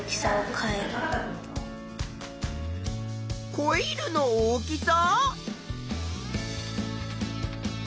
コイルの大きさ？